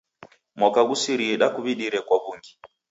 Mwaka ghusirie dakuw'idire kwa w'ungi.